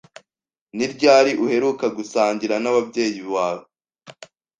Ni ryari uheruka gusangira n'ababyeyi bawe?